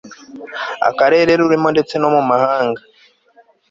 akarere rurimo ndetse no mu mahanga